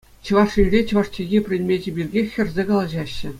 Чӑваш Енре чӑваш чӗлхи предмечӗ пирки хӗрсе калаҫаҫҫӗ.